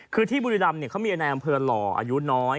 คือที่บูริดำเนี่ยเขามีอนายอำเภอหล่ออายุน้อย